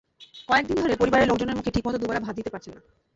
কয়েক দিন ধরে পরিবারের লোকজনের মুখে ঠিকমতো দুবেলা ভাত দিতে পারছেন না।